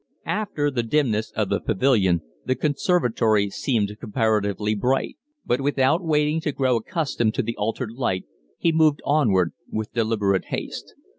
After the dimness of the pavilion the conservatory seemed comparatively bright; but without waiting to grow accustomed to the altered light he moved onward with deliberate haste.